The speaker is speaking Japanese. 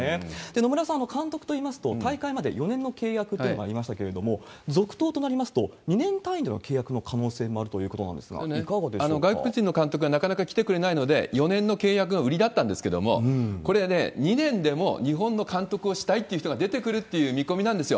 野村さん、監督といいますと、大会まで４年の契約というのがありましたけれども、続投となりますと、２年単位での契約の可能性もあるということなんですが、それね、外国人の監督がなかなか来てくれないので、４年の契約が売りだったんですけれども、これはね、２年でも日本の監督をしたいっていう人が出てくるという見込みなんですよ。